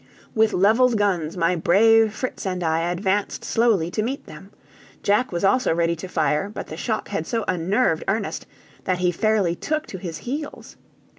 With leveled guns, my brave Fritz and I advanced slowly to meet them. Jack was also ready to fire, but the shock had so unnerved Ernest that he fairly took to his heels.